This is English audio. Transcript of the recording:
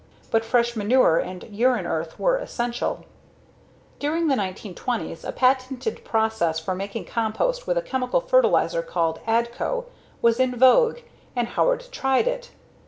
But fresh manure and urine earth were essential. During the 1920s a patented process for making compost with a chemical fertilizer called Adco was in vogue and Howard tried it.